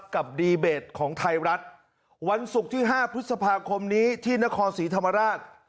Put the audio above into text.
กับดีเบตของไทยรัฐวันศุกร์ที่๕พฤษภาคมนี้ที่นครศรีธรรมราช